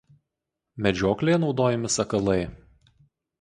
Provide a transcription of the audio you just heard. Medžioklėje naudojami sakalai.